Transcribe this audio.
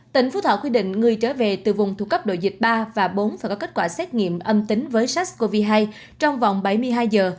tỉnh phú thọ quy định người trở về từ vùng thu cấp độ dịch ba và bốn phải có kết quả xét nghiệm âm tính với sars cov hai trong vòng bảy mươi hai giờ